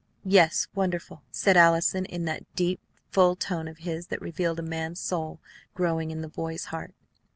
"Yes, wonderful!" said Allison in that deep, full tone of his that revealed a man's soul growing in the boy's heart.